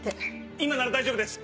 今なら大丈夫です